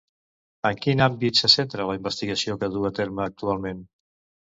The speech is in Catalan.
En quin àmbit se centra la investigació que duu a terme actualment?